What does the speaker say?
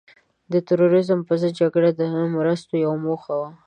د تروریزم په ضد جګړه د مرستو یوه موخه وه.